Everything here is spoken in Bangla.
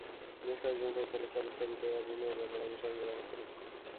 বেশ কয়েকজন পরিচালক তাঁদের ছবিতে অভিনয়ের ব্যাপারে আমার সঙ্গে যোগাযোগ করেছেন।